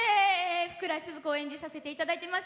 福来スズ子を演じさせていただいております